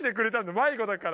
迷子だから。